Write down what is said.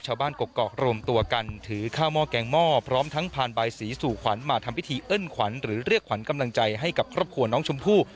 กกอกรวมตัวกันถือข้าวหม้อแกงหม้อพร้อมทั้งผ่านบายสีสู่ขวัญมาทำพิธีเอิ้นขวัญหรือเรียกขวัญกำลังใจให้กับครอบครัวน้องชมพู่